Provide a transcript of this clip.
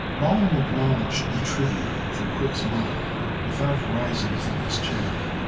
Mollon acknowledged the tribute with a quick smile, without rising from his chair.